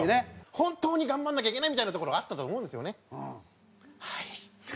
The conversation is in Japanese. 本当に頑張らなきゃいけないみたいなところがあったと思うんですよね。